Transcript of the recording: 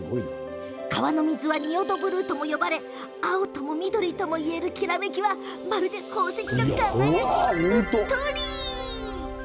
川の水は、仁淀ブルーと呼ばれ青とも緑とも言えぬきらめきはまるで宝石みたい、うっとり。